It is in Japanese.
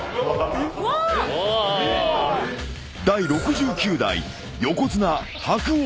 ［第６９代横綱白鵬